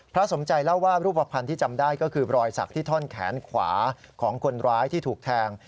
สมใจเล่าว่ารูปภัณฑ์ที่จำได้ก็คือรอยสักที่ท่อนแขนขวาของคนร้ายที่ถูกแทง